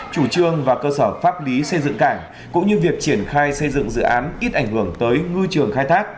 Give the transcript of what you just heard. chủ trương và cơ sở pháp lý xây dựng cảng cũng như việc triển khai xây dựng dự án ít ảnh hưởng tới ngư trường khai thác